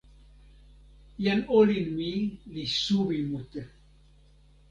jan olin mi li suwi mute.